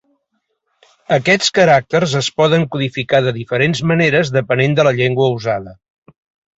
Aquests caràcters es poden codificar de diferents maneres depenent de la llengua usada.